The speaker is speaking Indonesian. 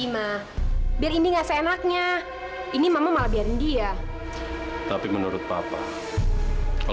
mah berarti ini berita bagus mah